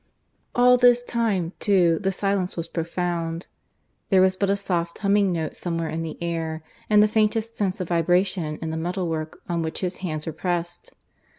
All this time, too, the silence was profound. There was but a soft humming note somewhere in the air, and the faintest sense of vibration in the metal work on which his hands were pressed.